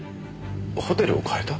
ホテルを変えた？